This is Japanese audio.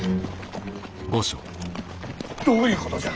どういうことじゃ！